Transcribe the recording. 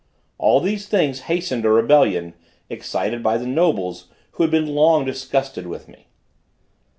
All these things hastened a rebellion, excited by the nobles, who had been long disgusted with me.